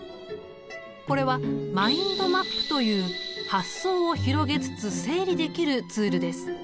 これはマインドマップという発想を広げつつ整理できるツールです。